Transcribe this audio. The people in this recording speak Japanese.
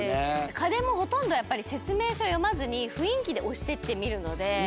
家電もほとんどやっぱり説明書を読まずに雰囲気で押していってみるので。